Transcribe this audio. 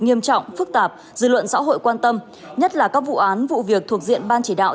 nghiêm trọng phức tạp dư luận xã hội quan tâm nhất là các vụ án vụ việc thuộc diện ban chỉ đạo